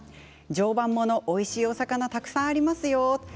常磐ものおいしいお魚たくさんありますよ。